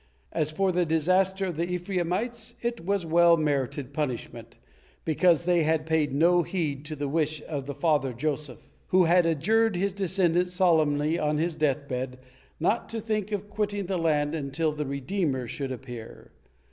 As for the disaster of the Ephraimites, it was well merited punishment, because they had paid no heed to the wish of the father Joseph, who had adjured his descendants solemnly on his deathbed not to think of quitting the land until the redeemer should appear.